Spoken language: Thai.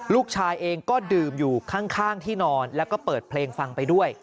ลูกชายเองก็ดื่มอยู่ข้างที่นอนแล้วก็เปิดเพลงฟังไปด้วย